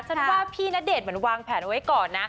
ฉันว่าพี่ณเดชน์เหมือนวางแผนไว้ก่อนนะ